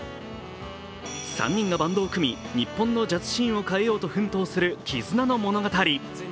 ３人がバンドを組み、日本のジャズシーンを変えようとする絆の物語。